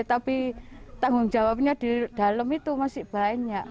tapi tanggung jawabnya di dalam itu masih banyak